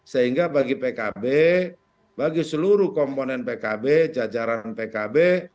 sehingga bagi pkb bagi seluruh komponen pkb jajaran pkb